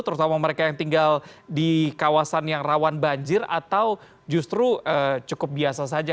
terutama mereka yang tinggal di kawasan yang rawan banjir atau justru cukup biasa saja